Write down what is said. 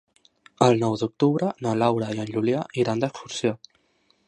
El nou d'octubre na Laura i en Julià iran d'excursió.